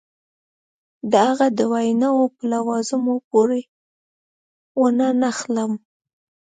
د هغه د ویناوو په لوازمو پورې ونه نښلم.